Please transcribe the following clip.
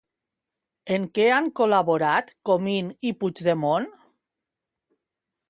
En què han col·laborat Comín i Puigdemon?